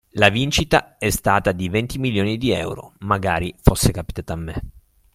La vincita è stata di venti milioni di euro, magari fosse capitato a me.